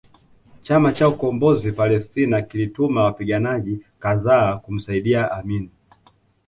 Chama cha Ukombozi Palestina kilituma wapiganaji kadhaa kumsaidia Amin